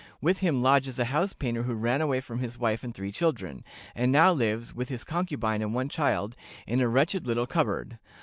With him lodges a house painter who ran away from his wife and three children, and now lives, with his concubine and one child, in a wretched little cupboard.